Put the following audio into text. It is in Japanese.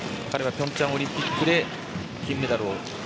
彼はピョンチャンオリンピックで金メダル。